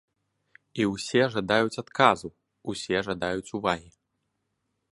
І ўсе жадаюць адказу, усе жадаюць увагі.